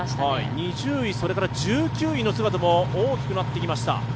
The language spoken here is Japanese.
２０位、１９位の姿も大きくなってきました。